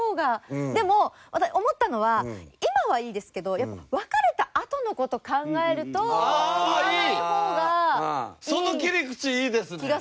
でも私思ったのは今はいいですけどやっぱ別れたあとの事考えると言わない方がいい気がするんですよね。